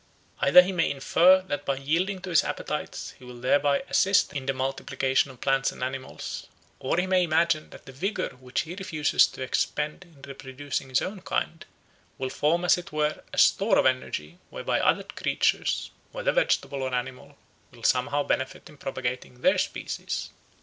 Either he may infer that by yielding to his appetites he will thereby assist in the multiplication of plants and animals; or he may imagine that the vigour which he refuses to expend in reproducing his own kind, will form as it were a store of energy whereby other creatures, whether vegetable or animal, will somehow benefit in propagating their species.